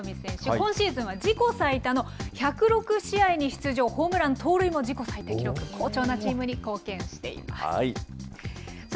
今シーズンは自己最多の１０６試合に出場、ホームラン、盗塁も自己最多記録、好調なチームに貢献しています。